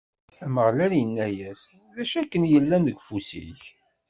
Ameɣlal inna-as: D acu akken yellan deg ufus-ik?